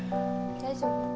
大丈夫。